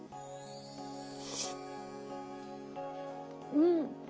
うん！